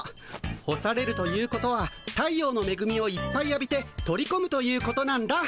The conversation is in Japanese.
干されるということは太陽のめぐみをいっぱいあびて取りこむということなんだ。